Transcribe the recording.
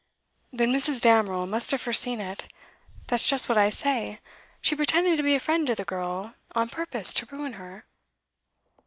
'Then Mrs. Damerel must have foreseen it. That's just what I say. She pretended to be a friend to the girl, on purpose to ruin her.